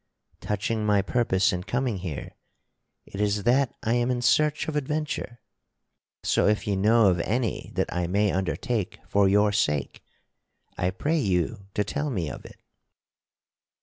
Touching my purpose in coming here, it is that I am in search of adventure. So if you know of any that I may undertake for your sake, I pray you to tell me of it."